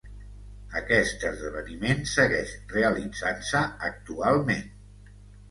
Aquest esdeveniment segueix realitzant-se actualment.